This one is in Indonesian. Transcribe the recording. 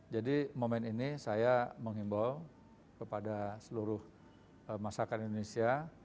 jadi momen ini saya mengimbau kepada seluruh masyarakat indonesia